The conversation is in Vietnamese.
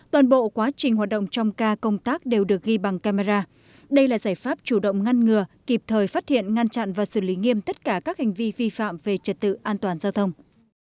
toàn bộ quá trình hoạt động trong ca công tác đều được ghi bằng camera đây là giải pháp chủ động ngăn ngừa kịp thời phát hiện ngăn chặn và xử lý nghiêm tất cả các hành vi vi phạm về trật tự an toàn giao thông